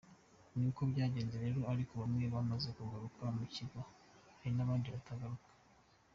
Ni uko byagenze rero ariko bamwe bamaze kugaruka mu kigo, hari n’abandi bataragaruka.